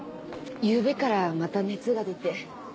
ゆうべからまた熱が出て。